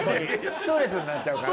ストレスになっちゃうから。